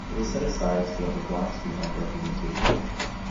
It was set aside so that blacks could have representation.